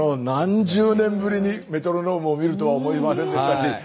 何十年ぶりにメトロノームを見るとは思いませんでしたし